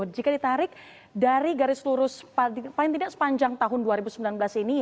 jika ditarik dari garis lurus paling tidak sepanjang tahun dua ribu sembilan belas ini